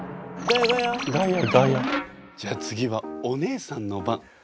じゃあ次はお姉さんの番。